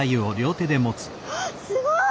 わあすごい！